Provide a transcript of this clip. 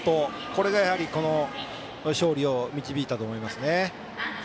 これがやはり勝利に導いたと思いますね。